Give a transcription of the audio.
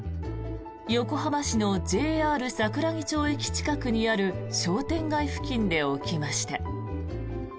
横浜市のＪＲ桜木町駅近くにある商店街付近で起きました。